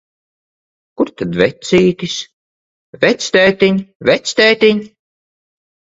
Kur tad vecītis? Vectētiņ, vectētiņ!